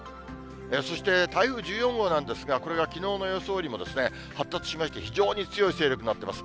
そして台風１４号なんですが、これがきのうの予想よりも発達しまして、非常に強い勢力になっています。